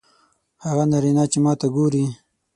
هغه نارینه چې ماته ګوري